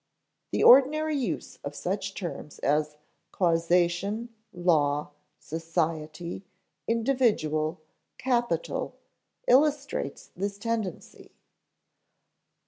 The ordinary use of such terms as causation, law, society, individual, capital, illustrates this tendency.